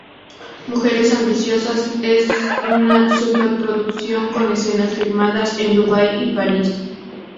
Mujeres Ambiciosas es una superproducción con escenas filmadas en Dubái y París.